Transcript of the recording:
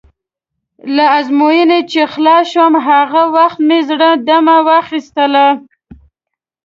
له ازموینې چې خلاص شوم، هغه وخت مې زړه دمه واخیستله.